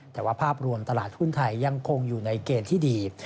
แต่ว่าภาพรวมตลาดหุ้นไทยยังคงอยู่ในเกณฑ์ที่ดี